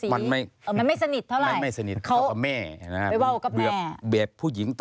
พ่อที่รู้ข่าวอยู่บ้าง